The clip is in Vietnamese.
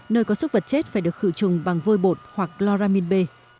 nơi có sức vật chết phải được khử trùng bằng vôi bột hoặc chloramin b